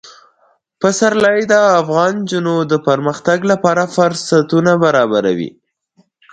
پسرلی د افغان نجونو د پرمختګ لپاره فرصتونه برابروي.